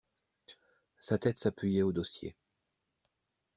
Sa tête s'appuyait au dossier.